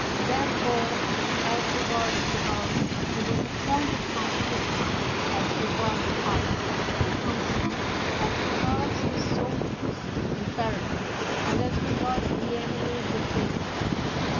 There fore, as regards the gods he was appointed high priest, as regards us consul, as regards the sol diers imperator, and as regards the enemy dicta tor.